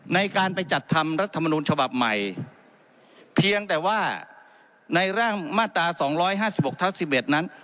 ในการไปจัดทำรัฐมนูลฉบับใหม่เพียงแต่ว่าในร่างมาตราสองร้อยห้าสิบหกทับ๑๑นั้น